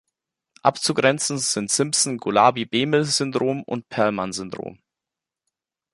Abzugrenzen sind Simpson-Golabi-Behmel-Syndrom und Perlman-Syndrom.